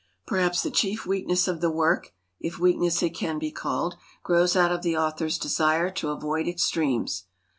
Perhaps the chief weakness of the work — if weakness it can be called — grows out of the author's desire to avoid exti*emes.